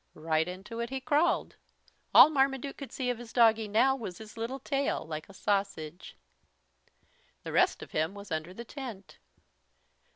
Right into it he crawled. All Marmaduke could see of his doggie now was his little tail like a sausage. The rest of him was under the tent.